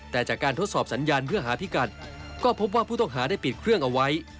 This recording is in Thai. แต่จากการทดสอบสัญญาณเพื่อหาพิกัดก็พบว่าผู้ต้องหาได้ปิดเครื่องเอาไว้